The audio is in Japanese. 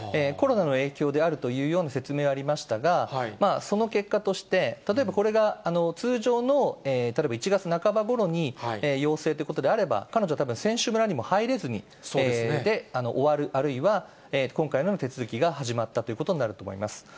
コロナの影響であるというような説明はありましたが、その結果として、例えば、これが通常の例えば１月半ばごろに陽性ということであれば、彼女はたぶん、選手村にも入れずに、終わる、あるいは、今回のような手続きが始まったということになると思います。